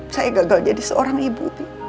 saya gagal jadi seorang ibu